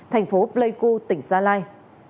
thành phố pleiku tỉnh gia lai